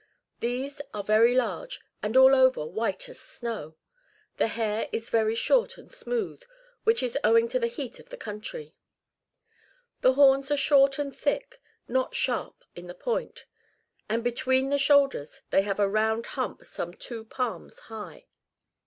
These are very large, and all over white as snow ; the hair is very short and smooth, which is owing to the heat of the country. The horns are short and thick, not sharp in the point ; and between the shoulders they have a round hump some two palms high.